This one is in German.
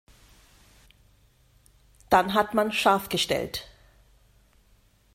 Dann hat man „scharfgestellt“.